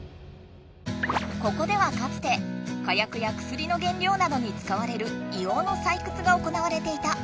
ここではかつて火やくやくすりの原りょうなどに使われる硫黄のさいくつが行われていた。